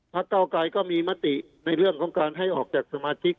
เก้าไกรก็มีมติในเรื่องของการให้ออกจากสมาชิก